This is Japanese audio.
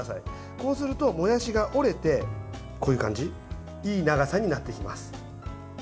こうすると、もやしが折れてこういう感じいい長さになっていきます。